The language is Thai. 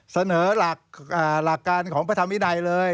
เสนอหลักการของพระธรรมวินัยเลย